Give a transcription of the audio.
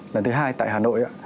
lần thứ hai tại hà nội